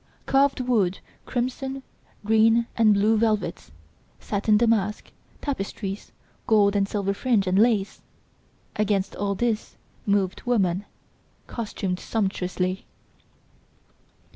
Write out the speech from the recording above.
Carved wood, crimson, green and blue velvets, satin damask, tapestries, gold and silver fringe and lace. Against all this moved woman, costumed sumptuously.